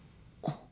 あっ。